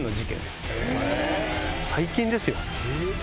最近ですよ。